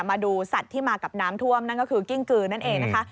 มาดูสัตว์ที่มากับน้ำท่วมนั่นก็คือกิ้งกือนั่นเองนะคะ